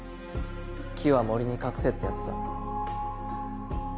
木は森に隠せってやつさ。